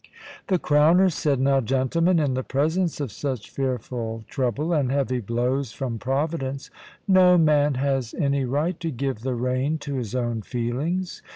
The Crowner said, "Now, gentlemen, in the presence of such fearful trouble and heavy blows from Providence, no man has any right to give the rein to his own feelings.